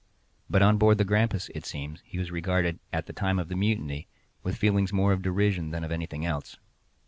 But on board the Grampus, it seems, he was regarded, at the time of the mutiny, with feelings more of derision than of anything else.